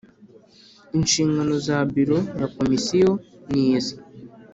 Inshingano za Biro ya Komisiyo ni izi